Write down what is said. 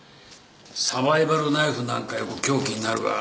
サバイバルナイフなんかよく凶器になるが。